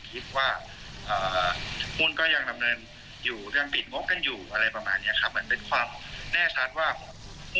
เขาก็ต้องถามในธรรมดาว่ามันจะส่งผลอะไรกับนักการเงินไหม